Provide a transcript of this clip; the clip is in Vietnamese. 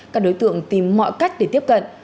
các đối tượng tìm mọi cách để tiếp cận